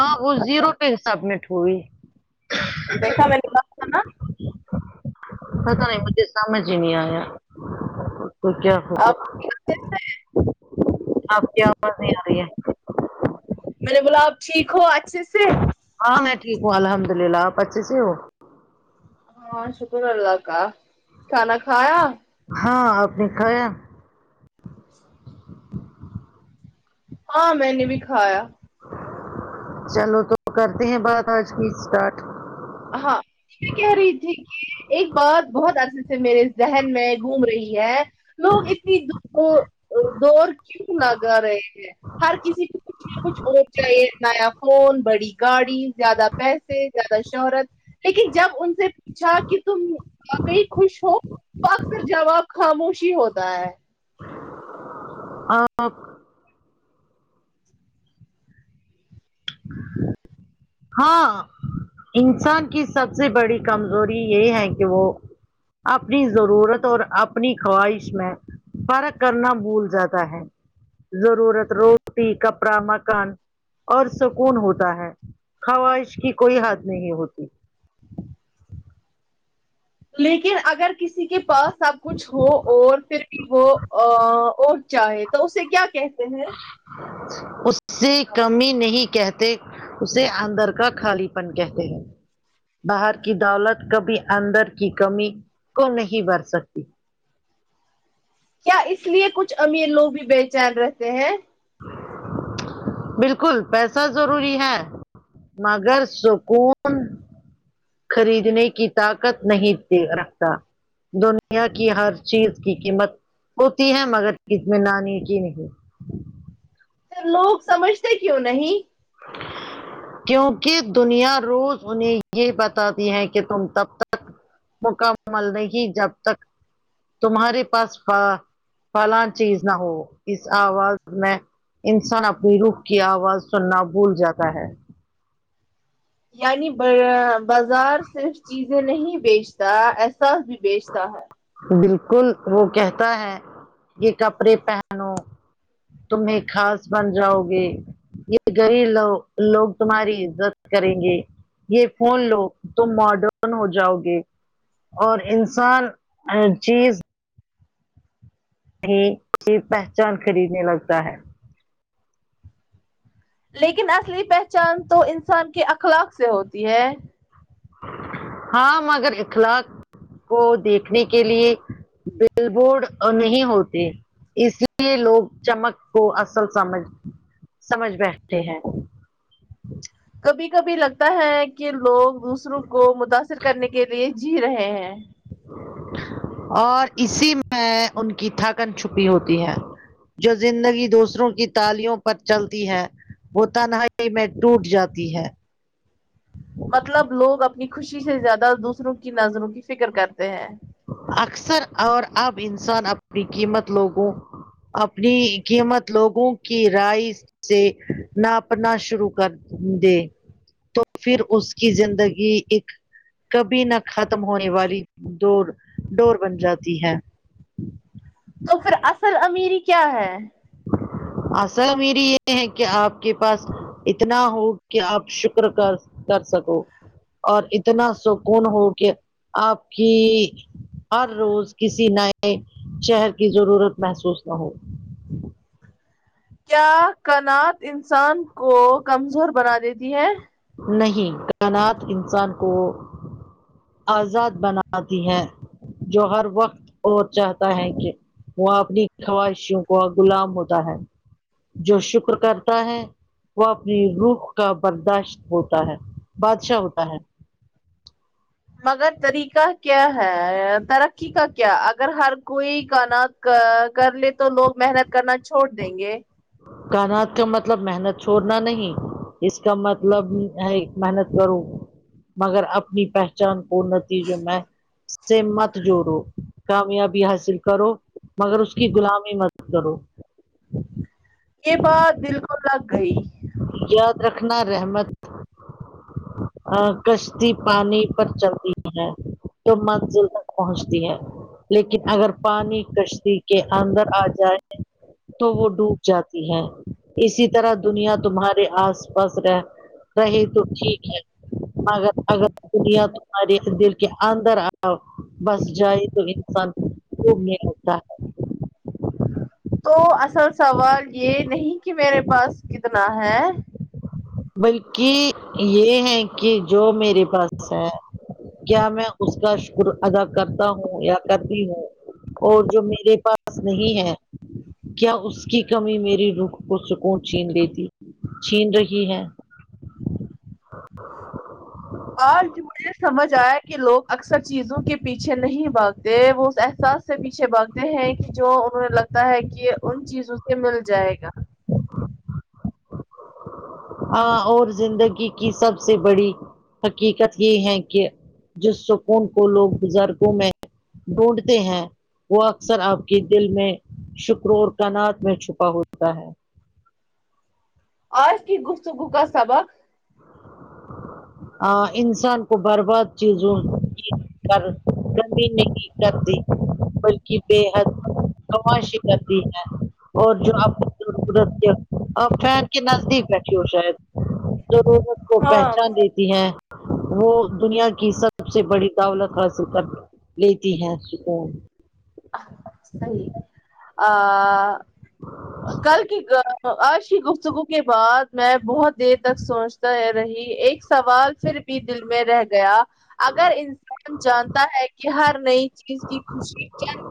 ہاں وہ زیرو پے سبمٹ ہوئی دیکھا میں نے کہا تھا نا پتا نہیں مجھے سمجھ ہی نہیں آیا تو کیا آپ آپ کی آواز نہیں آ رہی ہے میں نے بولا اپ ٹھیک ہو اچھے سے ہاں میں ٹھیک ہوں الحمد للہ آپ اچھے سے ہو ہاں شکر اللہ کا کھانا کھایا ہاں آپ نے کھایا ہاں میں نے بھی کھایا چلو تو کرتے ہیں بات آج کی اسٹارٹ ہاں یہ کہہ رہی تھی ایک بات بہت اچھے سے میرے ذہن میں گھوم رہی ہے لوگ اتنی دور کیوں لگا رہے ہیں ہر کسی کو کچھ نہ کچھ اور [inaudible] چنایا فون بڑی گاڑی زیادہ پیسے زیادہ شہرت لیکن جب ان سے پوچھا کہ تم وقعی خوش ہو تو اکثر جواب خاموشی ہوتا ہے آنکھ ہاں انسان کی سب سے بڑی کمزوری یہ ہے کہ وہ اپنی ضرورت اور اپنی خواہش میں فرق کرنا بھول جاتا ہے ضرورت روٹی کپڑا مکان اور سکون ہوتا ہے خواہش کی کوئی حد نہیں ہوتی لیکن اگر کسی کے پاس آپ کچھ ہو اور پھر بھی وہ ا اور چاہے تو اسے کیا کہ اس سے کمی نہیں کہتے اسے اندر کا خالی پن کہتے ہیں باہر کی دولت کبھی اندر کی کمی کو نہیں بھر سکتی کیا اس لیے کچھ امیر لوگ بھی بےچین رہتے ہیں بالکل پیسہ ضروری ہے مگر سکون خریدنے کی طاقت نہیں دی رکھتا دنیا کی ہر چیز کی قیمت ہوتی ہے مگر اطمینانی کی نہیں لوگ سمجھتے کیوں نہیں کیونکہ دنیا روز انہیں یہ بتاتی ہے کہ تم تب تک مکمل نہیں جب تک تمہارے پاس پلاں چیز نہ ہو اس آواز میں انسان اپنی رخ کی آواز سننا بھول جاتا ہے یعنی برا بازار صرف چیزیں نہیں بیچتا احساس بھی بیچتا ہے بالکل وہ کہتا ہے کہ کپڑے پہن ن نو تم ایک خاص بن جاؤ گے یہ غریب لو لوگ تمہاری عزت کریں گے یہ فون لو تو ماڈرن ہو جاؤ گے اور انسان ہر چیز یہ پہچان خریدنے لگتا ہے لیکن اصلی پہچان تو انسان کے اخلاق سے ہوتی ہے ہاں مگر اخلاق کو دیکھنے کے لیے بل بورڈ نہیں ہوتے اس لیے لوگ چمک کو اصل سمجھ سمجھ بیٹھتے ہیں کبھی کبھی لگتا ہے کہ لوگ دوسروں کو متاثر کرنے کے لیے جی رہے ہیں اور اسی میں ان کی تھکن چھپی ہوتی ہے جو زندگی دوسروں کی تالیوں پر چلتی ہے وہ تنہائی میں ٹوٹ جاتی ہے مطلب لوگ اپنی خوشی سے زیادہ دوسروں کی نظروں کی فکر کرتے ہیں اکثر اور اب انسان اپنی قیمت لوگوں اپنی قیمت لوگوں کی رائس جی ناپنا شروع کر د تو پھر اس کی زندگی ایک کبھی نہ ختم ہونے والی ڈور ڈور بن جاتی ہے تو پھر اصل امیری کیا ہے ہ آصل میری یہ ہے کہ آپ کے پاس اتنا ہو کہ آپ شکر کا کر سکو اور اتنا سکون ہو کہ آپ کی ہر روز کسی نئے شہر کی ضرورت محسوس نہ ہو کیا کنات انسان کو کمزور بنا دیتی ہے نہیں کائنات انسان کو آزاد بناتی ہیں جو ہر وقت اور چاہتا ہے کہ وہاں اپنی خواہشوں کو غلام ہوتا ہے جو شکر کرتا ہے وہ اپنی روح کا برداشت ہوتا ہے بادشاہ ہوتا ہے مگر طریقہ کیا ہے ترقی کا کیا اگر ہر کوئی کانا کا کر لے تو لوگ محنت کرنا چھوڑ دیں گے کانات کا مطلب محنت چھوڑنا نہیں اس کا مطلب ہے محنت کروں مگر اپنی پہچان کو نتیجوں میں سے مت جوڑوں کامیابی حاصل کرو مگر اس کی غلامی مت کرو یہ بات دل کو لگ گئی یاد رکھنا رحمت کشتی پانی پر چلتی ہے تو منزل تک پہنچتی ہے لیکن اگر پانی کشتی کے اندر آ جائے تو وہ ڈوب جاتی ہے اسی طرح دنیا تمہارے آس پاس رہ رہے تو ٹھیک ہے مگر اگر دنیا ہمارے دل کے اندر آؤ بس جائے تو انسان خوب نہیں [unintelligible] آتا ہے تو اصل سوال یہ نہیں کہ میرے پاس کتنا ہے بلکہ یہ ہے کہ جو میرے پاس ہے کیا میں اس کا شکر ادا کرتا ہوں یا کرتی ہوں اور جو میرے پاس نہیں ہے کیا اس کی کمی میری روخ کو سکون چھین لیتی چھین رہی ہے آج مجھے سمجھ آئے کہ لوگ اکثر چیزوں کے پیچھے نہیں بھاگتے وہ احساس سے پیچھے بھاگتے ہیں کہ جو انہیں لگتا ہے کہ ان چیزوں سے مل جائے گا ہاں اور زندگی کی سب سے بڑی حقیقت یہ ہے کہ جس سکون کو لوگ بزرگوں میں ڈھونڈتے ہیں وہ اکثر آپ کی دل میں شکر اور کانات میں چھپا ہوتا ہے آج کی گفتگو کا سبق آ انسان کو برباد چیزوں کی کر کرمی نہیں کرتی بلکہ بے حد خاموشی کرتی ہے اور جو آپ کی ضرورت ہے آپ فین کے نزدیک بیٹھی ہو شاید لت کو [unintelligible] ہاں پہچان دیتی ہیں وہ دنیا کی سب سے بڑی دولت حاصل کر لیتی ہے سکون صحیح آ کل کی آج کی گفتگو کے بعد میں بہت دیر تک سوچتا رہی ایک سوال پھر بھی دل میں رہ گیا اگر انسان جانتا ہے کہ ہر نئی چیز کی خوشی دل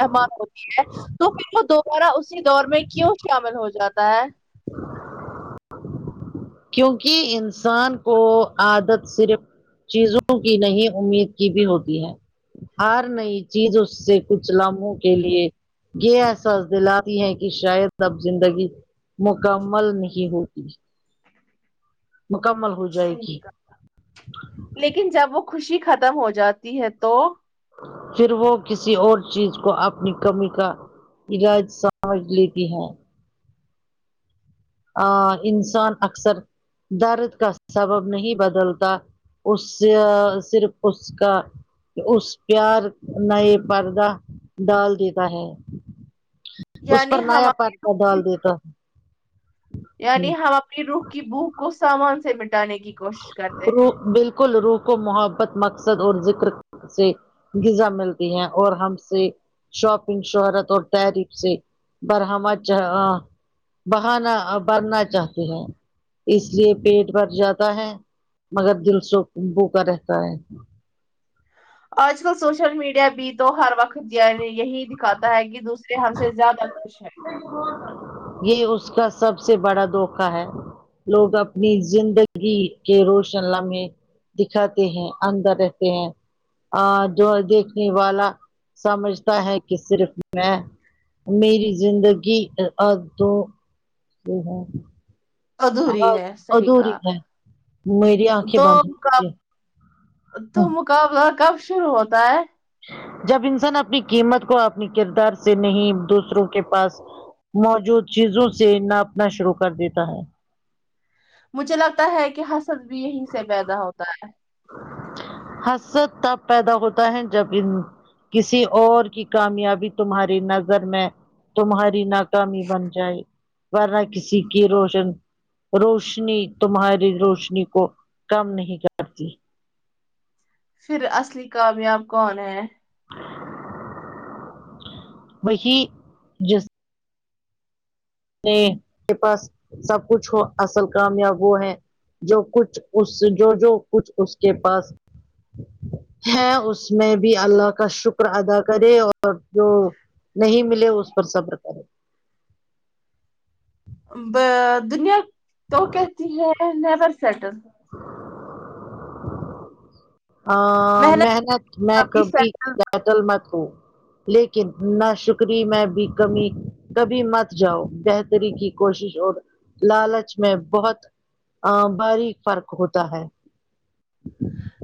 مہمان [unintelligible] ہوتی ہے تو پھر وہ دوبارہ اسی دور میں کیوں شامل ہو جاتا ہے کیونکہ انسان کو عادت صرف چیزوں کی نہیں امید بھی ہوتی ہے ہار نئی چیز اس سے کچھ لمحوں کے لیے یہ احساس دلاتی ہیں کہ شاید اب زندگی مکمل نہیں ہوتی مکمل ہو جائے صحیح گی کہا لیکن جب وہ خوشی ختم ہو جاتی ہے تو پھر وہ کسی اور چیز کو اپنی کمی کا علاج [unintelligible] سمجھ لیتی ہے ا انسان اکثر درد کا سبب نہیں بدلتا اس سے صرف اس کا اس پیار نہ یہ پردہ ڈال دیتا ہے اس پر یعنی ہم نیا پرچا ڈال دیتا ہے یعنی ہم اپنی روح کی بھوک کو سامان سے مٹانے کی کوشش کرتے بالکل روح کو محبت مقصد اور ذکر سے غذا ملتی ہیں اور ہم سے شاپنگ شہرت اور تحریک سے برہمہ بہانا ابھرنا چاہتے ہیں اس لیے پیٹ بھر جاتا مگر دل سکون ہوکے رہتا ہے آج کل سوشل میڈیا بھی تو ہر وقت یہی دکھاتا ہے کہس ہم سے زیادہ خوش ہے یہ اس کا سب سے بڑا دھوکا ہے لوگ اپنی زندگی کے روشن لمحے دکھاتے ہیں اندر رہتے ہیں جو دیکھنے والا سمجھتا ہے کہ صرف میں میری زندگی اب ہے تو ادھوری ہے صحیح کا ہے میری آنکھیں تو بند ہو کا گئی ہیں تو مقابلہ کب شروع ہوتا ہے جب انسان اپنی قیمت کو اپنی کردار سے نہیں دوسروں کے پاس موجود چیزوں سے ناپنا شروع کر دیتا ہے مجھے لگتا ہے کہ حسد بھی یہیں سے پیدا ہوتا ہے حسد تب پیدا ہوتا ہے جب ان کسی اور کی کامیابی تمہاری نظر میں تمہاری بن جائے ورنہ کسی کی روشن روشنی تمہاری روشنی کو کم نہیں کر سب جی پھر اصلی کامیاب کون ہے وہی جس میں کے پاس سب کچھ ہو اصل کامیاب وہ ہے جو کچھ اس جو جو کچھ اس کے پاس ہے اس میں بھی اللہ کا شکر ادا کرے اور جو نہیں ملے اس پر صبر کریں دنیا تو کہتی ہیں نیبر سیٹل محنت میں کبھی بتل مت ہوں لیکن نہ شکری میں بھی کمی کبھی مت جاؤ بہتری کی کوشش اور لالچ میں بہت ا باریک فرق ہوتا ہے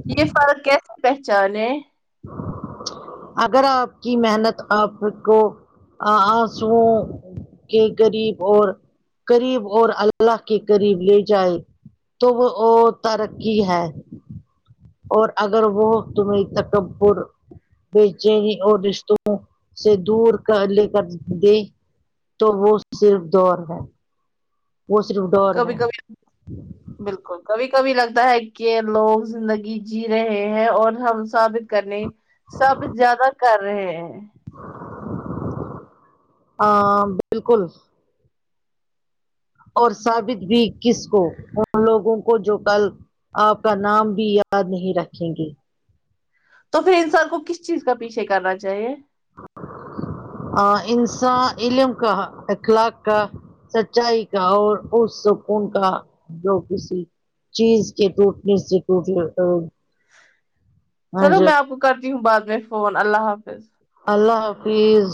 یہ فرق کیسے پہچانے اگر آپ کی محنت آپ کو آنسوں کے غریب اور قریب اور اللہ کے قریب لے جائے تو وہ ترقی ہے اور اگر وہ تمہیں تکبر بیچینی اور رشتوں سے دور کر لے کر دے تو وہ صرف دور ہے [unintelligible] کبھی کبھی بلکل کبھی کبھی لگتا ہے کہ لوگ زندگی جی رہے ہیں اور ہم ثابت کرنے سا بیت زیادہ کر رہے ہیں ہاں بلکل اور ثابت بھی کس کو ان لوگوں کو جو کل آپ کا نام بھی یاد نہیں رکھیں گے تو پھر انسان کو کس چیز کا پیچھے کرنا چاہیے انسان علم کا اخلاق کا سچائی کا اور پر سکون کا جو کسی چیز کے ٹوٹنے سے ٹوٹ لیتا ہوں چلو میں آپ کو کرتی ہوں بعد میں فون اللہ حافظ اللہ حافظ